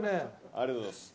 ありがとうございます。